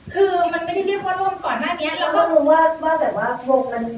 คือมันไม่ได้เรียกว่าร่วมก่อนหน้านี้เราก็รู้ว่าแบบว่าโครงมัน